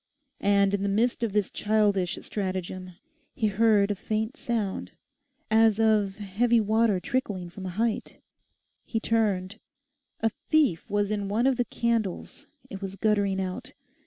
And in the midst of this childish strategem he heard a faint sound, as of heavy water trickling from a height. He turned. A thief was in one of the candles. It was guttering out.